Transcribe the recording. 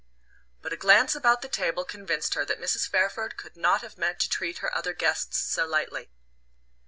But a glance about the table convinced her that Mrs. Fairford could not have meant to treat her other guests so lightly.